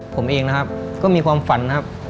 ผมเองนะครับก็มีความฝันนะครับ